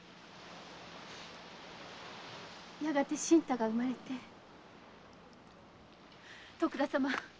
やがて新太が生まれて徳田様